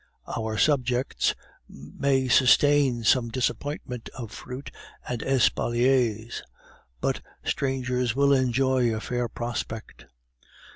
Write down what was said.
Our subjects may sustain some disappointment of fruit and espaliers, but strangers will enjoy a fair prospect.